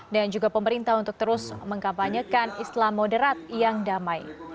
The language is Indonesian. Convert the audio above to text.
dan juga pemerintah untuk terus mengkampanyekan islam moderat yang damai